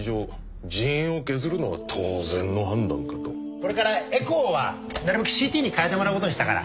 これからエコーはなるべく ＣＴ に変えてもらうことにしたから